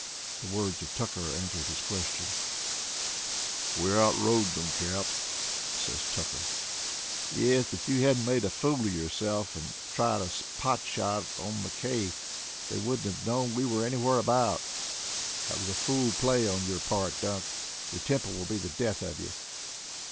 The words of Tucker answered his question. "Well, we outrode them, Cap," said Tucker. "Yes, but if you hadn't made a fool of yourself and tried a pot shot on McKay they wouldn't have known we were anywhere about. That was a fool play on your part, Dunk. Your temper will be the death of you.